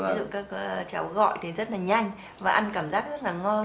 ví dụ các cháu gọi thì rất là nhanh và ăn cảm giác rất là ngon